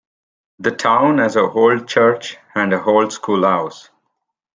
The town has an old church and an old schoolhouse.